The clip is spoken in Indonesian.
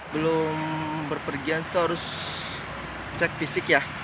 belum berpergian itu harus cek fisik ya